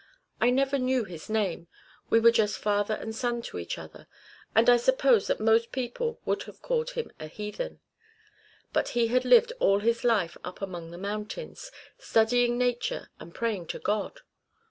I never knew his name, we were just father and son to each other, and I suppose that most people would have called him a heathen. But he had lived all his life up among the mountains, studying nature and praying to God.